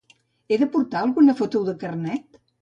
He de portar alguna foto de carnet?